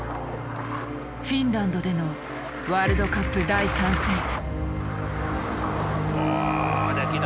フィンランドでのワールドカップ第３戦。